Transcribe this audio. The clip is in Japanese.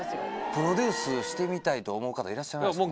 プロデュースしてみたいと思う方いらっしゃいますかね